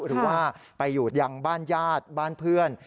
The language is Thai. หรือว่าไปอยู่ยังบ้านญาติบ้านเพื่อน